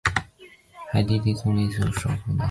海地总理是海地共和国政府的首脑。